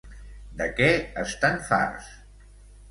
De què estan farts?